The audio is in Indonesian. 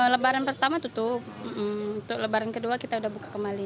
lebaran pertama tutup untuk lebaran kedua kita udah buka kembali